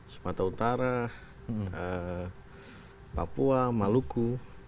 sumatera utara papua maluku